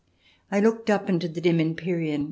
I looked up into the dim empyrean.